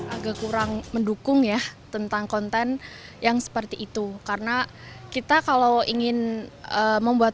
agak kurang mendukung ya tentang konten yang seperti itu karena kita kalau ingin membuat